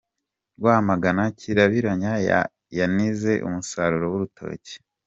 Rwamagana Kirabiranya yanize umusaruro w’urutoki